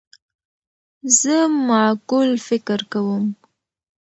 زه معقول فکر کوم.